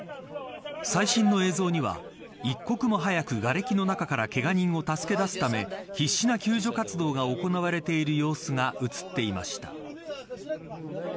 最新の映像には一刻も早く、がれきの中からけが人を助け出すため必死の救助活動が行われている様子が映っていました。